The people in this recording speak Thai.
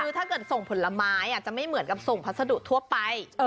คือถ้าเกิดส่งผลไม้จะไม่เหมือนกับส่งพัสดุทั่วไป